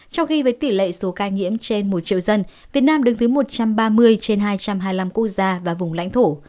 trong khi với tỷ lệ số ca nhiễm trên một triệu dân việt nam đứng thứ một trăm ba mươi trên hai trăm hai mươi năm quốc gia và vùng lãnh thổ